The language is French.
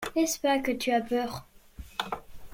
N’est-ce pas, que tu as peur ?